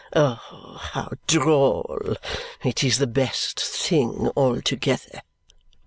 Oh, how droll! It is the BEST thing altogether.